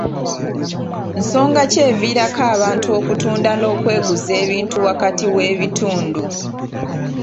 Nsonga ki eviirako abantu okutunda n'okweguza ebintu wakati w'ebitundu?